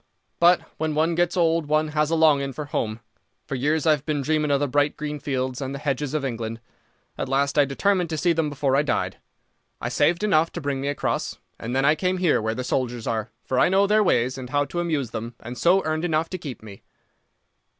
"But when one gets old one has a longing for home. For years I've been dreaming of the bright green fields and the hedges of England. At last I determined to see them before I died. I saved enough to bring me across, and then I came here where the soldiers are, for I know their ways and how to amuse them and so earn enough to keep me."